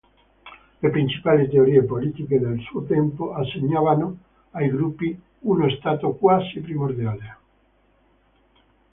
Le principali teorie politiche del suo tempo assegnavano ai gruppi uno stato quasi primordiale.